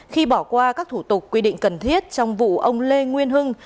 khi bỏ qua các thủ tục quy định cần thiết trong vụ ông lê nguyên hưng